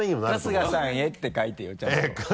「春日さんへ」って書いてよちゃんと。